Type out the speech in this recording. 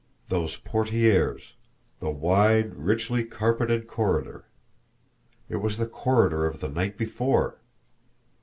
Those portieres, the wide, richly carpeted corridor! It was the corridor of the night before!